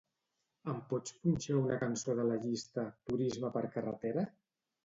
Em pots punxar una cançó de la llista "turisme per carretera"?